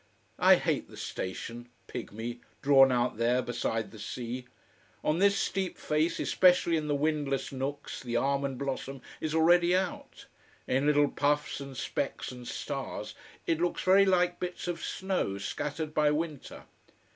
I hate the station, pigmy, drawn out there beside the sea. On this steep face, especially in the windless nooks, the almond blossom is already out. In little puffs and specks and stars, it looks very like bits of snow scattered by winter.